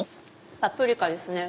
パプリカですね。